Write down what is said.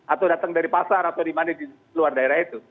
atau datang dari pasar atau dimana di luar daerah itu